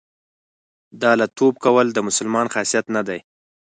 دله توب کول د مسلمان خاصیت نه دی.